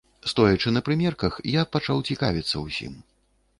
Стоячы на прымерках, я пачаў цікавіцца ўсім.